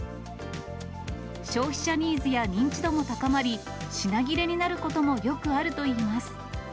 消費者ニーズや認知度も高まり、品切れになることもよくあるといいます。